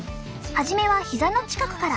初めはひざの近くから。